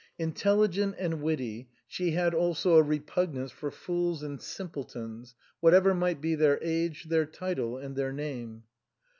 Intelli gent and witty, slie had also a repugnance for fools and simpletons, whatever might be their age, their title and their name.